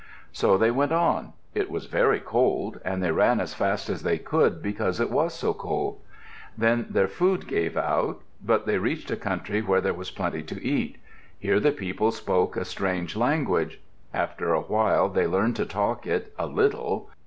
So they went on. It was very cold and they ran as fast as they could because it was so cold. Then their food gave out. But they reached a country where there was plenty to eat. Here the people spoke a strange language. After a while they learned to talk it a little.